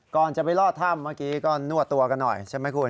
ก่อนจะไปลอดถ้ำเมื่อกี้ก็นวดตัวกันหน่อยใช่ไหมคุณ